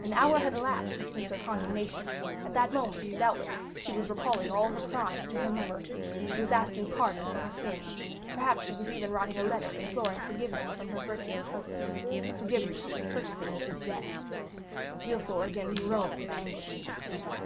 An hour had elapsed since her condemnation; at that moment, doubtless, she was recalling all her crimes to her memory; she was asking pardon for her sins; perhaps she was even writing a letter imploring forgiveness from her virtuous husband—a forgiveness she was purchasing with her death! Villefort again groaned with anguish and despair.